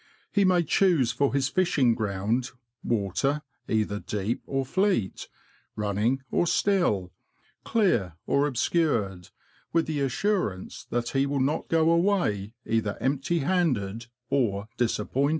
He may choose for his fishing ground water either deep or fleet, running or still, clear or obscured, with the assurance that he will not go away either empty handed or disappointed.